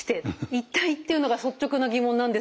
一体！？っていうのが率直な疑問なんですが。